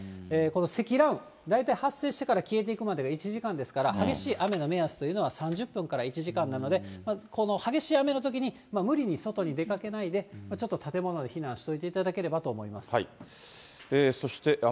この積乱雲、大体発生してから消えていくまでは１時間ですから、激しい雨の目安というのは、３０分から１時間なので、この激しい雨のときに無理に外に出かけないで、ちょっと建物で避難しておいていただければと思います。